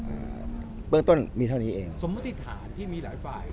อ่าเบื้องต้นมีเท่านี้เองสมมติฐานที่มีหลายฝ่าย